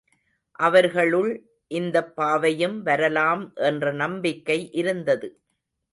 அவர்களுள் இந்தப் பாவையும் வரலாம் என்ற நம்பிக்கை இருந்தது.